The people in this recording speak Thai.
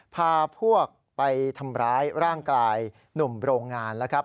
พาพวกไปทำร้ายร่างกายหนุ่มโรงงานแล้วครับ